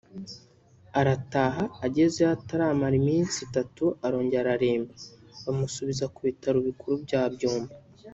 arataha agezeyo ataramara iminsi itatu arongera araremba bamusubiza ku bitaro bikuru bya Byumba